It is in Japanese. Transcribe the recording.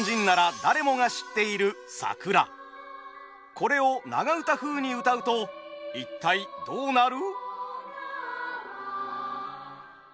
これを長唄風にうたうと一体どうなる？